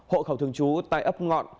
hộ khẩu thường trú tại ấp ngọn